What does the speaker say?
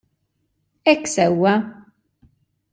Hekk sewwa!